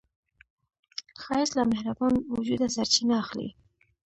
ښایست له مهربان وجوده سرچینه اخلي